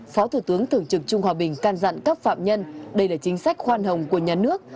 phó thủ tướng thường trực trung hòa bình can dặn các phạm nhân đây là chính sách khoan hồng của nhà nước